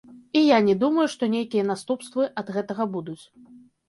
І я не думаю, што нейкія наступствы ад гэтага будуць.